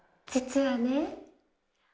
実はね。